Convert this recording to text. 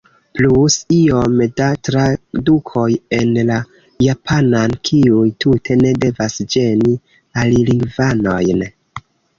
Plus iom da tradukoj en la japanan, kiuj tute ne devas ĝeni alilingvanojn.